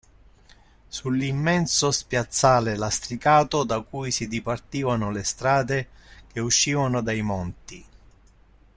Sull'immenso spiazzale lastricato da cui si dipartivano le strade che uscivano dai Monti.